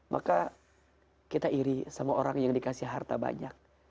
maka kita iri sama orang yang dikasih harta banyak